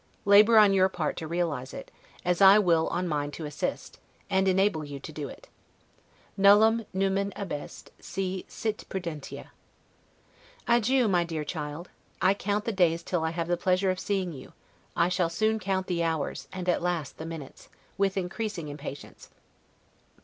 Labor on your part to realize it, as I will on mine to assist, and enable you to do it. 'Nullum numen abest, si sit prudentia'. Adieu, my dear child! I count the days till I have the pleasure of seeing you; I shall soon count the hours, and at last the minutes, with increasing impatience.